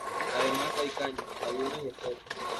Además hay caños, lagunas y esteros.